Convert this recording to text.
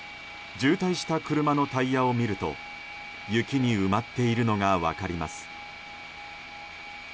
渋滞した車のタイヤを見ると雪に埋まっているのが分かります。